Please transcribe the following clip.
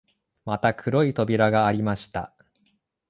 また黒い扉がありました